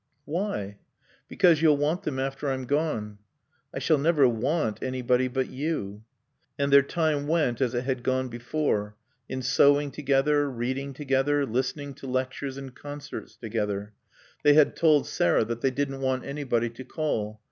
"Why?" "Because you'll want them after I'm gone." "I shall never want anybody but you." And their time went as it had gone before: in sewing together, reading together, listening to lectures and concerts together. They had told Sarah that they didn't want anybody to call.